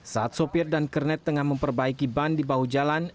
saat sopir dan kernet tengah memperbaiki ban di bahu jalan